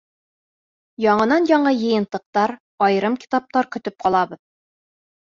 Яңынан-яңы йыйынтыҡтар, айырым китаптар көтөп ҡалабыҙ.